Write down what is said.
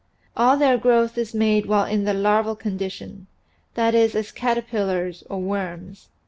All their growth is made while in the larval condition that is as caterpillars or " worms."